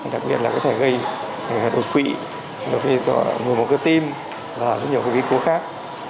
đặc biệt là có thể gây đột quỵ do khi ngừa một cơ tim và rất nhiều cái vĩ cố khác